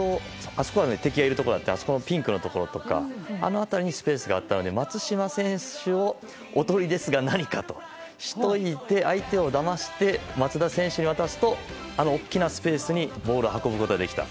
ピンクのところだったりとかあの辺りにスペースがあったので松島選手をおとりですか何か？としておいて相手をだまして松田選手に渡すとあの大きなスペースにボールを運ぶことができた。